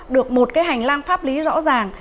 được một cái hành lang pháp lý rõ ràng